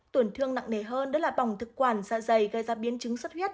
tổn thương nặng nề hơn đó là bỏng thực quản dạ dày gây ra biến chứng sất huyết